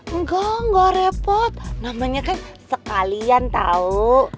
engga ga repot namanya kan sekalian tau